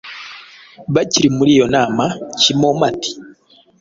Bakiri muri iyo nama, Kimomo ati “